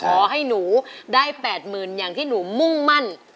ขอให้หนูได้๘๐๐๐อย่างที่หนูมุ่งมั่น